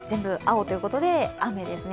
全部青ということで、雨ですね。